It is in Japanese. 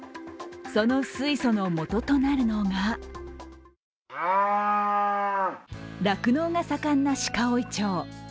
その水素の元となるのが酪農が盛んな鹿追町。